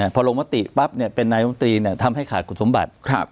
พอลงมติปั๊บเป็นนายมนตรีทำให้ขาดคุณสมบัติ